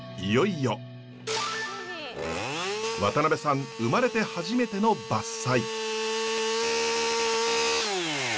渡辺さん生まれて初めての伐採。